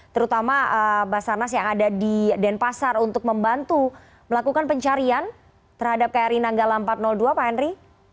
terutama basarnas yang ada di denpasar untuk membantu melakukan pencarian terhadap kri nanggala empat ratus dua pak henry